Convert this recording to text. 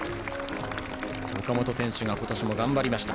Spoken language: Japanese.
岡本選手が今年も頑張りました。